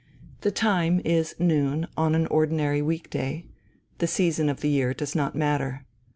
The time is noon on an ordinary week day; the season of the year does not matter.